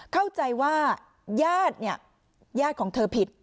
เข้าใจว่าญาติของเธอผิด